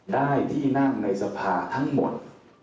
ได้ที่นั่งในสภาทั้งหมด